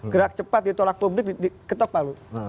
gerak cepat ditolak publik ketopal